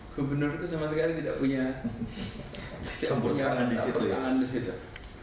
gubernur itu sama sekali tidak punya campur nyerang di situ